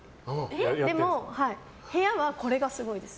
でも、部屋は波がすごいです。